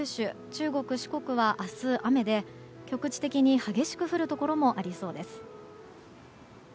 中国・四国は明日、雨で局地的に激しく降るところもありそうです。